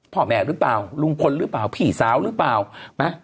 พ่อแม่หรือเปล่าลุงพลหรือเปล่าพี่สาวหรือเปล่านะ